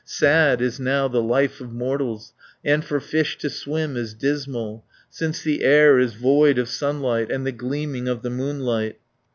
Sad is now the life of mortals, And for fish to swim is dismal, Since the air is void of sunlight, And the gleaming of the moonlight."